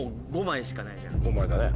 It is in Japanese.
５枚だね。